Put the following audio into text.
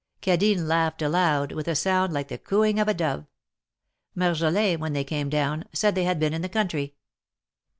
Cadine laughed aloud, with a sound like the cooing of a dove. Marjolin, when they came down, said they had been in the country.